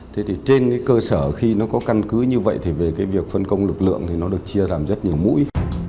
thế thì trên cái cơ sở khi nó có căn cứ như vậy thì về cái việc phân công lực lượng thì nó được chia làm rất nhiều mũi